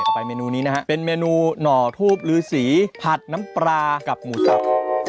ไปเมนูนี้นะฮะเป็นเมนูหน่อทูบลือสีผัดน้ำปลากับหมูสับ